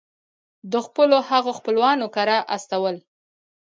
د خپلو هغو خپلوانو کره استول.